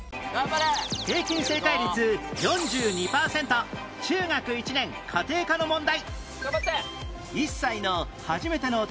平均正解率４２パーセント中学１年家庭科の問題